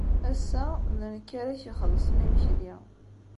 Ass-a, d nekk ara ak-ixellṣen imekli.